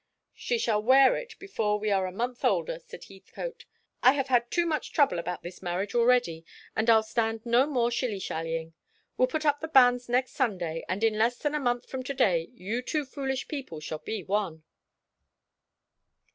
"She shall wear it before we are a month older," said Heathcote. "I have had too much trouble about this marriage already; and I'll stand no more shilly shallying. We'll put up the banns next Sunday; and in less than a month from to day you two foolish people shall be one."